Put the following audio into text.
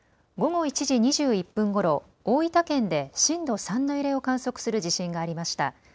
午後１時２１分ごろ、大分県で震度３の揺れを観測する地震がありました。